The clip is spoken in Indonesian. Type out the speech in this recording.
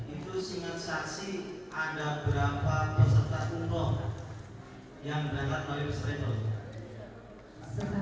itu singan saksi ada berapa peserta kumpul yang berangkat melalui first striper